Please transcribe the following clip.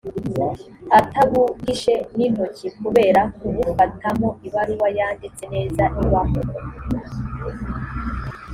atabuhishe n intoki kubera kubufatamo ibaruwa yanditse neza ibamo